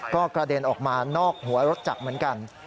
ก็กระเด็นออกมานอกหัวรถจักรเหมือนกัน